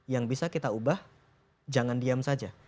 yang bisa kita ubah jangan diam saja